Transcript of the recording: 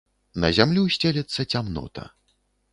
На зямлю сцелецца цямнота.